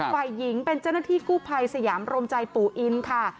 ฝ่ายหญิงเป็นเจ้าหน้าที่กู้ภัยสยามรมใจปู่อินค่ะ